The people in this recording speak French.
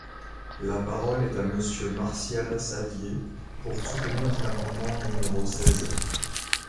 La parole est à Monsieur Martial Saddier, pour soutenir l’amendement numéro seize.